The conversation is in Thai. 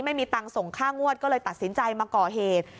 ไม่มีตังค์ส่งค่างวดก็เลยตัดสินใจมาก่อเหตุ